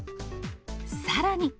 さらに。